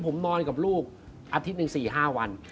ผมนอนกับลูกอาทิตย์หนึ่ง๔๕วัน